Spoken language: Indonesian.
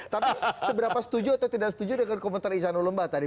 tapi seberapa setuju atau tidak setuju dengan komentar isanul umba tadi